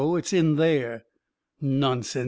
It's in there!" " Nonsense